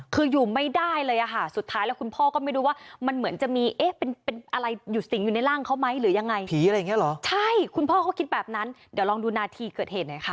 คืออยู่ไม่ได้เลยอะค่ะสุดท้ายแล้วคุณพ่อก็ไม่รู้ว่ามันเหมือนจะมีเอ๊ะเป็นอะไรอยู่สิ่งอยู่ในร่างเขาไหมหรือยังไง